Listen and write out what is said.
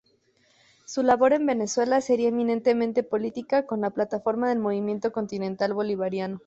Su labor en Venezuela sería eminentemente política con la plataforma del Movimiento Continental Bolivariano.